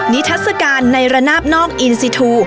นิทัศน์การในระนาบนอกอินสิทธิ์